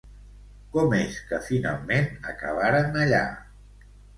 Com és que finalment acabaren allà?